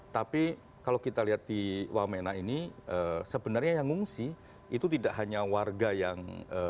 tapi kalau kita lihat di wamena ini sebenarnya yang mengungsi itu tidak hanya warga yang